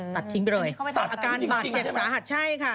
ตัดทิ้งไปเลยอาการบาดเจ็บสาหัสใช่ค่ะ